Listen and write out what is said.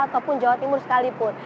ataupun jawa timur sekalipun